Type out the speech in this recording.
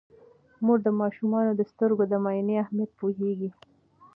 مور د ماشومانو د سترګو د معاینې اهمیت پوهیږي.